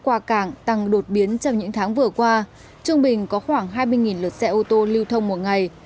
trong hàng hóa qua cảng tăng đột biến trong những tháng vừa qua trung bình có khoảng hai mươi lượt xe ô tô lưu thông một ngày